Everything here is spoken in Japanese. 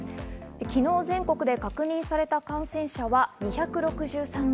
昨日、全国で確認された感染者は２６３人。